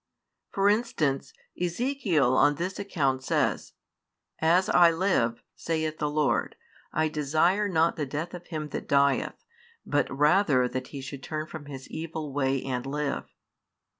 For instance, Ezekiel on this account says: As I live, saith the Lord, I desire not the death of him that dieth, but rather that he should turn from his evil way and live.